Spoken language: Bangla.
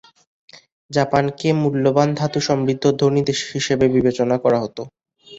জাপানকে মূল্যবান ধাতু সমৃদ্ধ ধনী দেশ হিসেবে বিবেচনা করা হত।